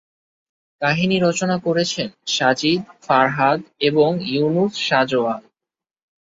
কাহিনী রচনা করেছেন সাজিদ-ফরহাদ এবং ইউনুস সাজোয়াল।